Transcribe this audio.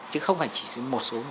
chứ không phải chỉ một số